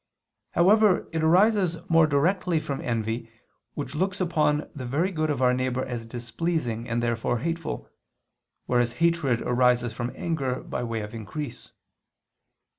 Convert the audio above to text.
However it arises more directly from envy, which looks upon the very good of our neighbor as displeasing and therefore hateful, whereas hatred arises from anger by way of increase.